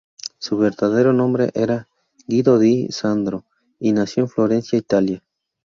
Su verdadero nombre era Guido Di Sandro, y nació en Florencia, Italia.